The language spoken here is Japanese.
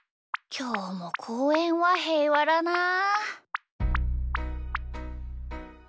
きょうもこうえんはへいわだなあ。